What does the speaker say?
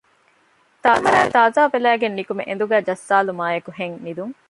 ފެންވަރައި ތާޒާވެލައިގެން ނުކުމެ އެނދުގައި ޖައްސާލުމާއެކުހެން ނިދުން